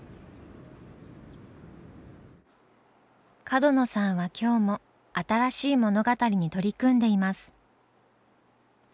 角野さんは今日も新しい物語に取り組んでいます。